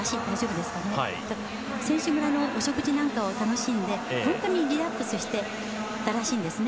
選手村のお食事なんかを楽しんで本当にリラックスしていたらしいんですね。